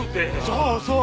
そうそう。